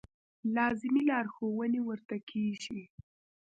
لازمې لارښوونې ورته کېږي.